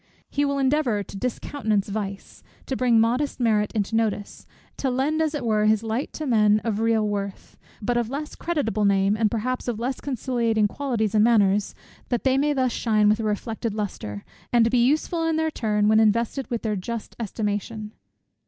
He will endeavour to discountenance vice, to bring modest merit into notice; to lend as it were his light to men of real worth, but of less creditable name, and perhaps of less conciliating qualities and manners; that they may thus shine with a reflected lustre, and be useful in their turn, when invested with their just estimation.